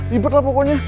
ribet lah pokoknya